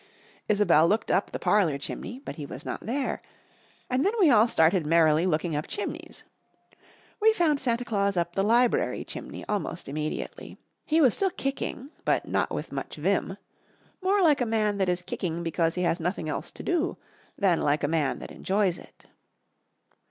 Isobel looked up the parlour chimney, but he was not there, and then we all started merrily looking up chimneys. We found Santa Claus up the library chimney almost immediately. He was still kicking, but not with much vim more like a man that is kicking because he has nothing else to do than like a man that enjoys it.